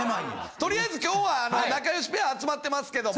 とりあえず今日は仲良しペア集まってますけども。